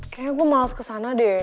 kayaknya gue males kesana deh